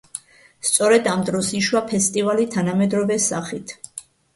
სწორედ ამ დროს იშვა ფესტივალი თანამედროვე სახით.